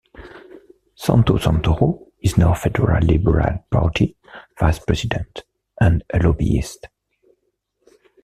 Santo Santoro is now federal Liberal Party vice-president and a lobbyist.